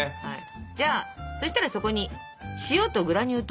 じゃあそしたらそこに塩とグラニュー糖を入れてください。